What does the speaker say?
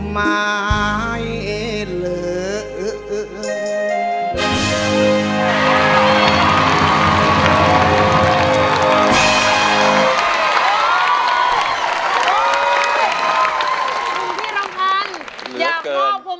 ไม่เหลือ